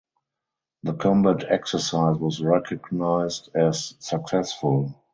The combat exercise was recognized as successful.